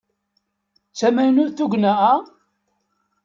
D tamaynut tugna-a?